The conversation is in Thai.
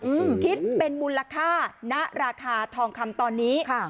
อืมคิดเป็นมูลค่าณราคาทองคำตอนนี้ค่ะ